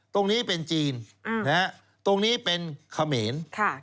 ตรงนี้เป็นจีนตรงนี้เป็นเขมร